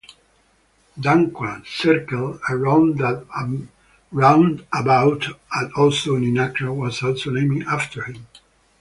Danquah Circle a roundabout at Osu in Accra was also named after him.